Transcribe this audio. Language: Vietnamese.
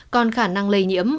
còn khả năng lây nhiễm